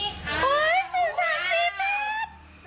ไหนอีกระมุดเอาไหนอีกไหนอีกอ๋อศูนย์สามนะคะศูนย์สาม